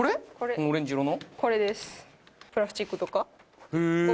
このオレンジ色の？